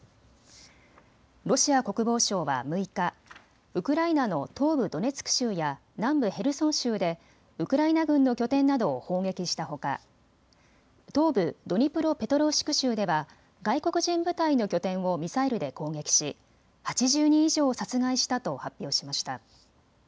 ロシア国防省は６日、ウクライナの東部ドネツク州や南部ヘルソン州でウクライナ軍の拠点などを砲撃したほか東部ドニプロペトロウシク州では外国人部隊の拠点をミサイルで攻撃し８０人以上を殺害したと発表しました。